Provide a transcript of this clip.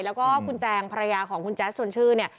แล้วก็คุณแจงภรรยาของคุณแจ๊สส่วนชื่อ